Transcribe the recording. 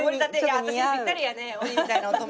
私にぴったりやね鬼みたいな乙女いうて。